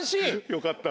よかった。